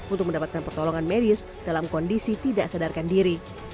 untuk mendapatkan pertolongan medis dalam kondisi tidak sadarkan diri